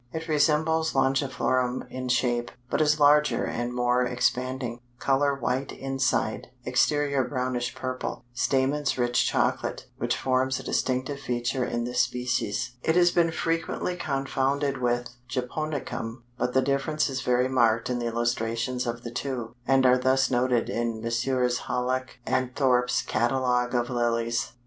It resembles Longiflorum in shape, but is larger and more expanding; color white inside, exterior brownish purple; stamens rich chocolate, which forms a distinctive feature in this species. It has been frequently confounded with Japonicum, but the difference is very marked in the illustrations of the two, and are thus noted in Messrs. Hallock & Thorp's "Catalogue of Lilies."